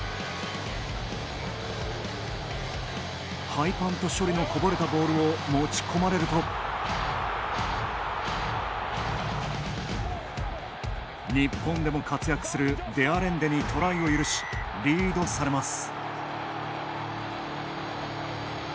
ハイパント処理のこぼれたボールを持ち込まれると日本でも活躍するデアレンデにトライを許し、リードされます。